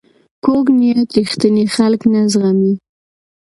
کوږ نیت رښتیني خلک نه زغمي